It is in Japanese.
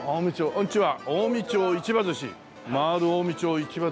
こんにちは。